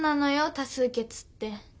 多数決って。